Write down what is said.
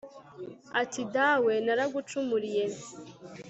ati « dawe naragucumuriye